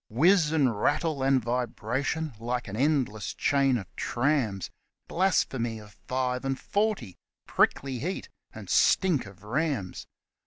Whiz and rattle and vibration, like an endless chain of trams ; Blasphemy of five and forty prickly heat and stink of rams